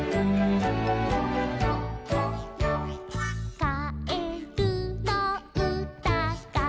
「かえるのうたが」